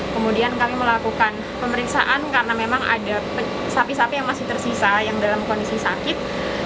kemudian kami melakukan pemeriksaan karena memang ada sapi sapi yang masih tersisa yang dalam kondisi sakit